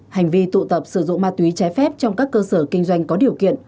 hành vi tụ tập sử dụng ma túy trái phép trong các cơ sở kinh doanh có điều kiện